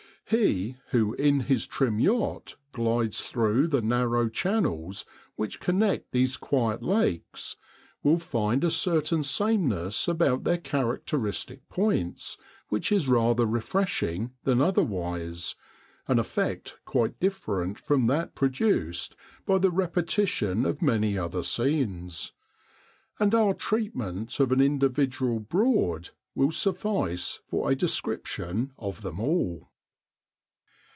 He who in his trim yacht glides through the narrow channels which connect these quiet lakes, will find a certain sameness about their characteristic points which is rather refreshing than otherwise, an effect quite different from that produced by the repetition of many other scenes : and our" treatment of an individual Broad will suffice for a description of them all.